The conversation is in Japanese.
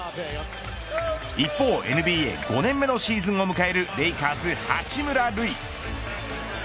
一方、ＮＢＡ５年目のシーズンを迎えるレイカーズ、八村塁。